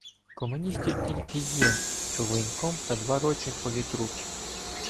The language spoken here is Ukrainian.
Комуністів тільки й є, що воєнком та два ротні політруки.